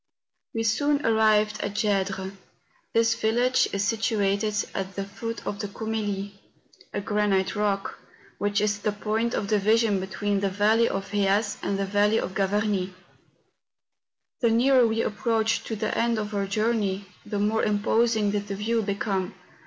We soon arrived at Gedres. This village is situated at the foot of the Coumelie, a granite rock, which is the point of division between the valley of Heas and the valley of Gavarnie. The nearer we approached to the end of our journey, the more imposing did the view become.